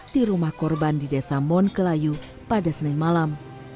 di rumah korban di desa monkelayu pada senin malam